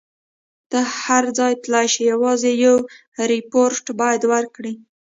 ته هر ځای تللای شې، یوازې یو ریپورټ باید وکړي.